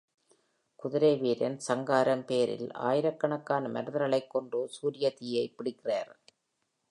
குதிரைவீரன் சங்காரம் பெயரில் ஆயிரக்கணக்கான மனிதர்களைக் கொன்று சூரியதீயை பிடிக்கிறார்.